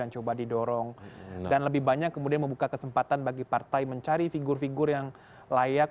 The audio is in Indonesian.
coba didorong dan lebih banyak kemudian membuka kesempatan bagi partai mencari figur figur yang layak